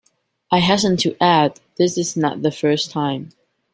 I hasten to add, this is not the first time.